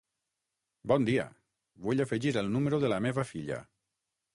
Bon dia, vull afegir el número de la meva filla.